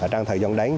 trong thời gian đáng